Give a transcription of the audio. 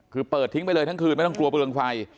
คือเปิดทิ้งไปเลยทั้งคืนไม่ต้องกลัวเปลืองไฟ